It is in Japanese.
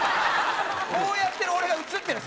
こうやってる俺が映ってる。